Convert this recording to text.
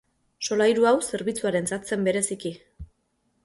Solairu hau zerbitzuarentzat zen bereziki.